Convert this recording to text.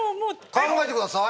考えてください。